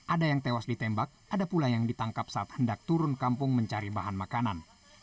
ada yang tewas ditembak ada pula yang ditangkap saat hendak turun kampung mencari bahan makanan